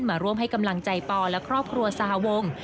มาร่วมให้กำลังใจปอและครอบครัวสหวง